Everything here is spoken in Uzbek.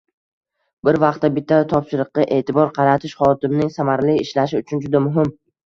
Bir vaqtda bitta topshiriqqa e’tibor qaratish hodimning samarali ishlashi uchun juda muhim